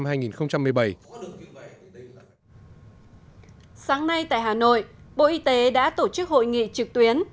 sáng nay tại hà nội bộ y tế đã tổ chức hội nghị trực tuyến